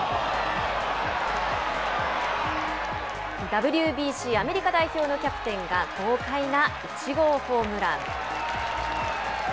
ＷＢＣアメリカ代表のキャプテンが、豪快な１号ホームラン。